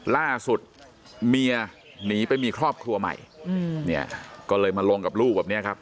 ล่าสุดเมียหนีไปมีครอบครัวใหม่เนี่ยก็เลยมาลงกับลูกแบบนี้ครับ